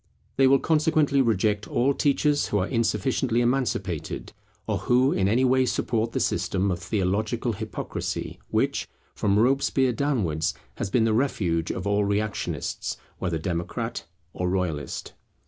They will consequently reject all teachers who are insufficiently emancipated, or who in any way support the system of theological hypocrisy, which, from Robespierre downwards, has been the refuge of all reactionists, whether democrat or royalist.